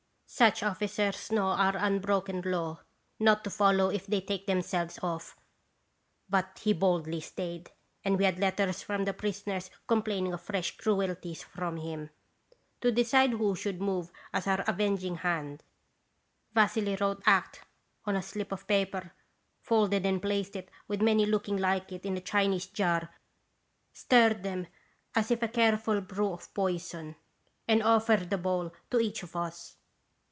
Such officers know our unbroken law, not to follow if they take themselves off; but he boldly stayed, and we had letters from the prisoners complaining of fresh cruelties from him. To decide who should move as our avenging hand, Vassily wrote 'Act/' on a slip of paper, folded and placed it, with many look ing like it, in a Chinese jar, stirred them as if 194 21 radons Visitation. a careful brew of poison, and offered the bowl to each of us.